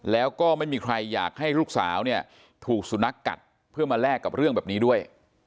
แล้วก็ไม่มีใครอยากให้ลูกสาวเนี่ยถูกสุนัขกัดเพื่อมาแลกกับเรื่องแบบนี้ด้วย